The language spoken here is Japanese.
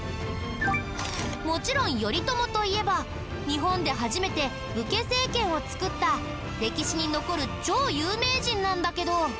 もちろん頼朝といえば日本で初めて武家政権を作った歴史に残る超有名人なんだけど。